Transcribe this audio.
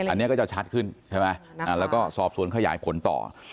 มันจะขาดขึ้นใช่ไหมแล้วก็สอบสวนขยายผลต่อ